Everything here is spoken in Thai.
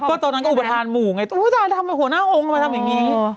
ก็ตอนนั้นก็อุบัทธานหมู่ไงตอนนั้นพูดชายสั่งมาหัวหน้าองค์มาทำอย่างนี้